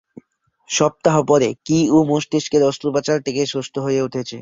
সপ্তাহ পরে, কি-উ মস্তিষ্কের অস্ত্রোপচার থেকে সুস্থ হয়ে উঠছে।